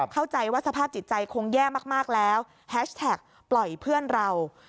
เข้าใจว่าสภาพจิตใจคงแย่มากแล้วแฮชแท็กปล่อยเพื่อนเรา